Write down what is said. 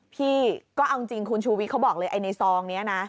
พี่ก็เอาจริงคุณชูวิทย์เขาบอกเลยไอ้ในซองนี้นะ